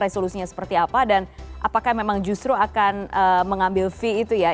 resolusinya seperti apa dan apakah memang justru akan mengambil fee itu ya